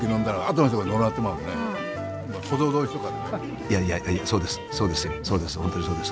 いやいやそうです